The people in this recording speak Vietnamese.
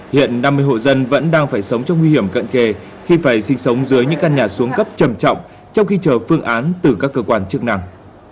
hiện năm mươi hộ dân vẫn đang phải sống trong nguy hiểm cận kề khi phải sinh sống dưới những căn nhà xuống cấp trầm trọng trong khi chờ phương án từ các cơ quan chức năng